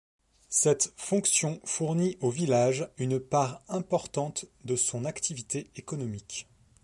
Cette fonction fournit au village une part importante de son activité économique.